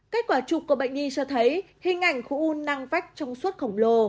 kết quả chụp của bệnh nhi cho thấy hình ảnh khu u năng vách trong suốt khổng lồ